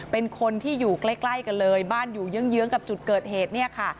เป็นคนที่อยู่ใกล้กันเลยบ้านอยู่เยื้องกับจุดเกิดเหตุเนี่ยค่ะ